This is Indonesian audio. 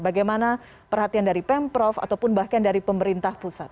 bagaimana perhatian dari pemprov ataupun bahkan dari pemerintah pusat